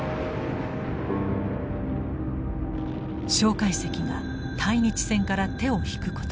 介石が対日戦から手を引くこと。